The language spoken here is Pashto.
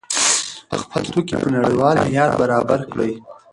خپل توکي په نړیوال معیار برابر کړئ.